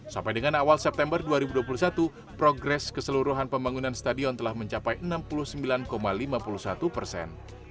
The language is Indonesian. sampai dengan awal september dua ribu dua puluh satu progres keseluruhan pembangunan stadion telah mencapai enam puluh sembilan lima puluh satu persen